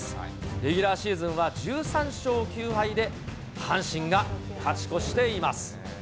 レギュラーシーズンは１３勝９敗で、阪神が勝ち越しています。